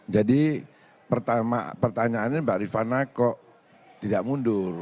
jadi pertanyaannya mbak ritwana kok tidak mundur